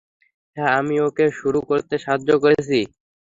হ্যাঁ, আমিই ওকে শুরু করতে সাহায্য করেছি।